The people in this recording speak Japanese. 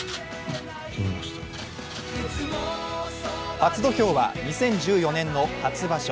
初土俵は２０１４年の初場所。